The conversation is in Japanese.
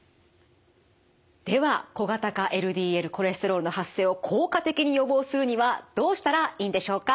では小型化ＬＤＬコレステロールの発生を効果的に予防するにはどうしたらいいんでしょうか。